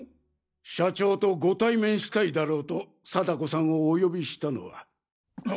社長とご対面したいだろうと貞子さんをお呼びしたのは。